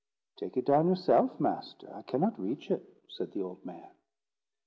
"Take it down yourself, master; I cannot reach it," said the old man.